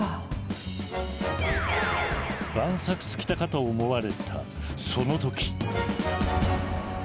万策尽きたかと思われたその時！